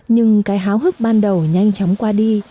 nhưng cái háo hức ban đầu nhanh chóng qua đi